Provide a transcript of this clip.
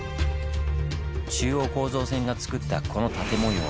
中央構造線がつくったこの縦模様